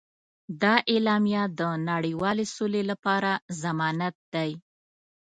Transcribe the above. دا اعلامیه د نړیوالې سولې لپاره ضمانت دی.